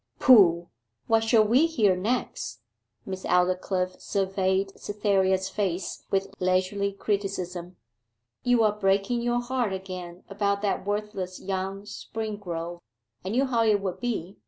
'Pooh what shall we hear next?' Miss Aldclyffe surveyed Cytherea's face with leisurely criticism. 'You are breaking your heart again about that worthless young Springrove. I knew how it would be.